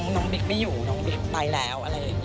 น้องบิ๊กไม่อยู่น้องบิ๊กตายแล้ว